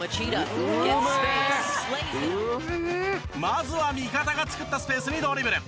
まずは味方が作ったスペースにドリブル。